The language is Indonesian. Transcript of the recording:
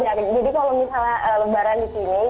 jadi kalau misalnya lebaran di sini